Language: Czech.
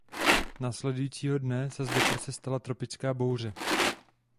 Následujícího dne se z deprese stala tropická bouře.